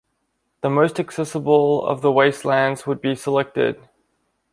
The most accessible of the wastelands would be selected.